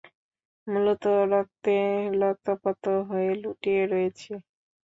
মূলত, রক্তে লতপত হয়ে লুটিয়ে রয়েছি।